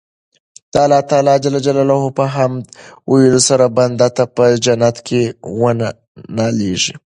د الله تعالی په حمد ويلو سره بنده ته په جنت کي وَنه ناليږي